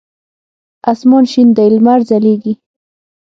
اسمان شین دی لمر ځلیږی